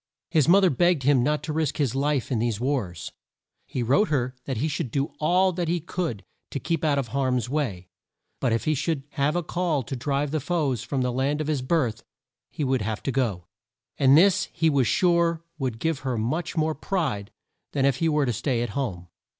His mo ther begged him not to risk his life in these wars. He wrote her that he should do all that he could to keep out of harm's way, but if he should have a call to drive the foes from the land of his birth, he would have to go! And this he was sure would give her much more pride than if he were to stay at home.